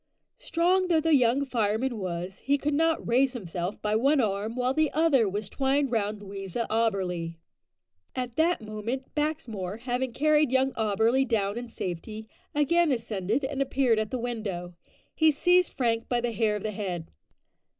Strong though the young fireman was, he could not raise himself by one arm, while the other was twined round Louisa Auberly. At that moment, Baxmore, having carried young Auberly down in safety, again ascended and appeared at the window. He seized Frank by the hair of the head.